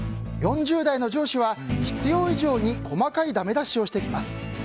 ４０代の上司は必要以上に細かいだめ出しをしてきます。